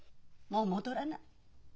もう戻らない。